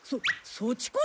そっちこそ！